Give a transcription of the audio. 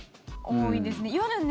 多いですね。